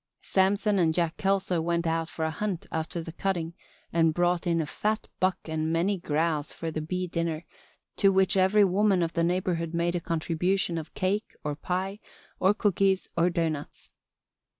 Samson and Jack Kelso went out for a hunt after the cutting and brought in a fat buck and many grouse for the bee dinner, to which every woman of the neighborhood made a contribution of cake or pie or cookies or doughnuts.